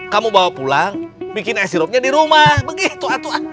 kamu bawa pulang bikin es sirupnya di rumah begitu aturan